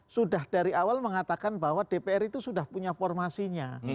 sudah dari awal mengatakan bahwa dpr itu sudah punya formasinya